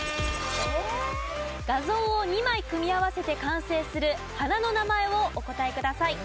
画像を２枚組み合わせて完成する花の名前をお答えください。